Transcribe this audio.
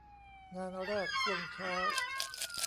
งานแรกช่วงเช้า